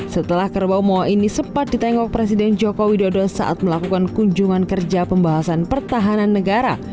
setelah kerbau moa ini sempat ditengok presiden joko widodo saat melakukan kunjungan kerja pembahasan pertahanan negara